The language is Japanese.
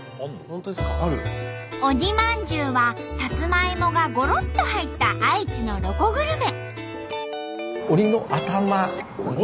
鬼まんじゅうはさつまいもがごろっと入った愛知のロコグルメ。